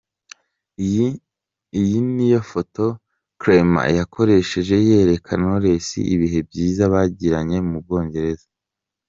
Iyi niyo foto Clement yakoresheje yereka Knowless ibihe byiza bagiranye mu Bwongereza.